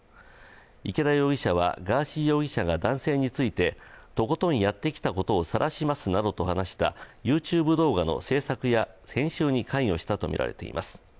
池田容疑者はガーシー容疑者が男性についてとことんやってきたをさらしますなどと話したＹｏｕＴｕｂｅ動画の制作や編集に関与したとみられています。